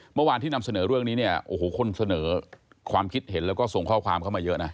เมื่อวานที่นำเสนอเรื่องนี้เนี่ยโอ้โหคนเสนอความคิดเห็นแล้วก็ส่งข้อความเข้ามาเยอะนะ